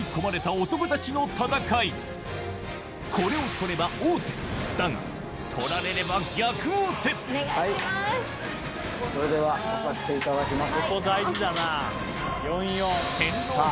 これを取ればだが取られればそれでは押させていただきます。